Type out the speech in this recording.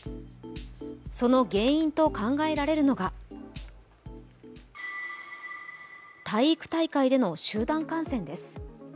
その原因と考えられるのが体育大会での集団感染です。